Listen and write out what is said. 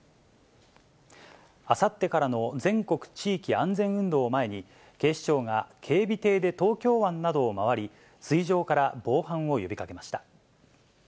あさってからの全国地域安全運動を前に、警視庁が警備艇で東京湾などを回り、水上から防犯を呼びかけました。